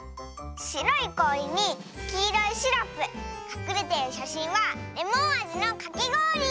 しろいこおりにきいろいシロップかくれてるしゃしんはレモンあじのかきごおり！